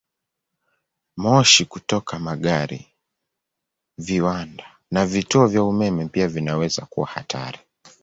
Moshi kutoka magari, viwanda, na vituo vya umeme pia vinaweza kuwa hatari.